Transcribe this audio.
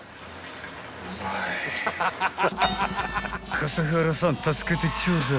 ［笠原さん助けてちょうだい］